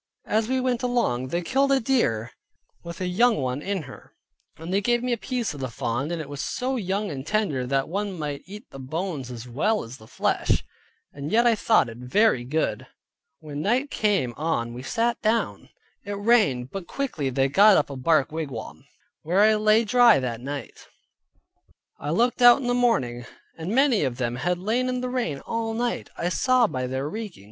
As we went along they killed a deer, with a young one in her, they gave me a piece of the fawn, and it was so young and tender, that one might eat the bones as well as the flesh, and yet I thought it very good. When night came on we sat down; it rained, but they quickly got up a bark wigwam, where I lay dry that night. I looked out in the morning, and many of them had lain in the rain all night, I saw by their reeking.